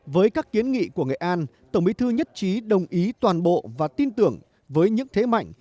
với các kiến nghị của nghệ an tổng bí thư nhất trí đồng ý toàn bộ và tin tưởng với những thế mạnh